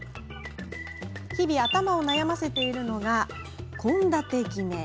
日々、頭を悩ませているのが献立決め。